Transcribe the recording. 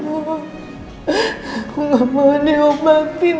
aku gak mau diobatin